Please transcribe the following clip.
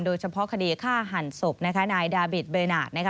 โดยเฉพาะคดีฆ่าหันศพนายดาวิทเบรนาท